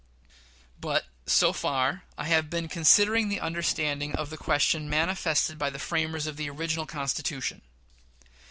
But, so far, I have been considering the understanding of the question manifested by the framers of the original Constitution.